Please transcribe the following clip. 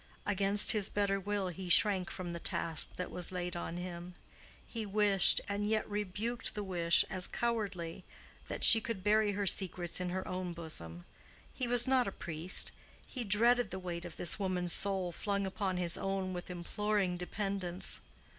Against his better will he shrank from the task that was laid on him: he wished, and yet rebuked the wish as cowardly, that she could bury her secrets in her own bosom. He was not a priest. He dreaded the weight of this woman's soul flung upon his own with imploring dependence.